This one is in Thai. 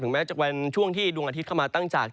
แม้จะเป็นช่วงที่ดวงอาทิตย์เข้ามาตั้งจาก